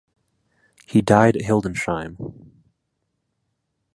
He died at Hildesheim.